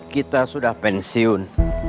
kita sudah pensiun